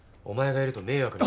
お前がいると迷惑。